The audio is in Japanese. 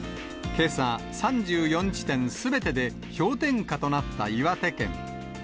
けさ、３４地点すべてで氷点下となった岩手県。